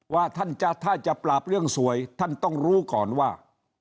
ว่าท่านจะถ้าจะปราบเรื่องสวยท่านต้องรู้ก่อนว่า